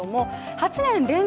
８年連続